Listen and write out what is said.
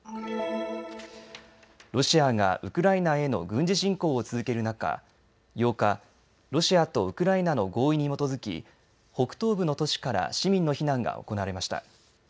ロシアがウクライナへの軍事侵攻を続ける中、８日、ロシアとウクライナの合意に基づき北東部の都市から市民の避難が行われました。